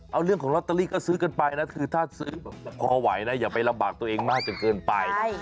เอาเรื่องของลอตเตอรี่ก็ซื้อกันไปนะคือถ้าซื้อพอไหวนะอย่าไปลำบากตัวเองมากจนเกินไป